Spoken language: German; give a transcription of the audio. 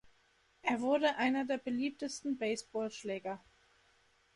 Er wurde einer der beliebtesten Baseball-Schläger.